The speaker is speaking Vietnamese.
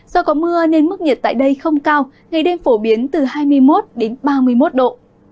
do có mưa nên mức nhiệt tại đây không cao ngày đêm phổ biến từ hai mươi một đến ba mươi một độ